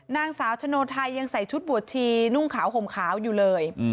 นางสาวชโนไทยยังใส่ชุดบวชชีนุ่งขาวห่มขาวอยู่เลย